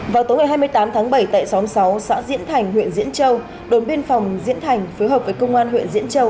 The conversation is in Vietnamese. vào tối ngày hai mươi tám tháng bảy tại xóm sáu xã diễn thành huyện diễn châu đồn biên phòng diễn thành phối hợp với công an huyện diễn châu